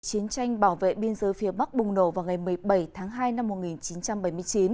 chiến tranh bảo vệ biên giới phía bắc bùng nổ vào ngày một mươi bảy tháng hai năm một nghìn chín trăm bảy mươi chín